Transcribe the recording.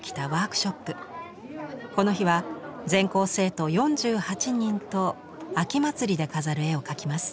この日は全校生徒４８人と秋祭りで飾る絵を描きます。